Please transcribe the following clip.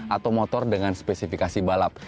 atau motor dengan spesifikasi balap